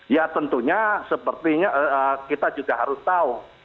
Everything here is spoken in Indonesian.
ya tentunya sepertinya kita juga harus tahu